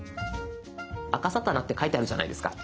あかさたなって書いてあるじゃないですか。